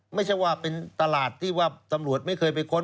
ไม่ใช่ว่าเป็นตลาดที่ว่าตำรวจไม่เคยไปค้น